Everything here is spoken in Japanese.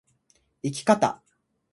生き方